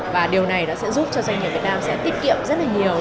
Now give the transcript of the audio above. và điều này đã sẽ giúp cho doanh nghiệp việt nam sẽ tiết kiệm rất là nhiều